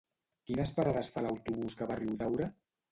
Quines parades fa l'autobús que va a Riudaura?